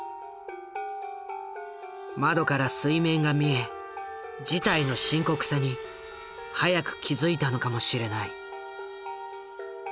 窓から水面が見え事態の深刻さに早く気付いたのかもしれない。